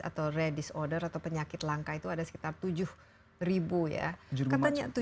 atau rare disorder atau penyakit langka itu ada sekitar tujuh ribu ya